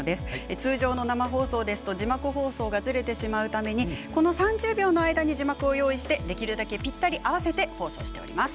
通常の生放送だと字幕放送がずれてしまうためこの３０秒の間に字幕を用意してできるだけぴったり合わせて放送しています。